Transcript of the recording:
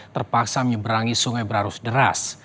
terpaksa menyeberangi sungai berarus deras